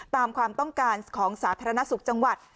ตามความต้องการของสาธารณสุขจังหวัด